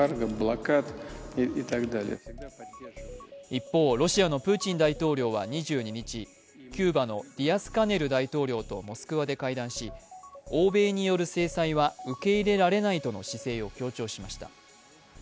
一方、ロシアのプーチン大統領は２２日、キューバのディアスカネル大統領とモスクワで会談し、欧米による制裁は受け入れられないとの姿勢を強調しました。